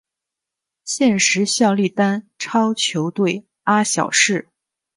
现时效力丹超球队阿晓士。